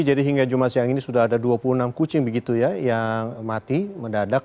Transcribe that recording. hingga jumat siang ini sudah ada dua puluh enam kucing begitu ya yang mati mendadak